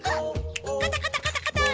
カタカタカタカター。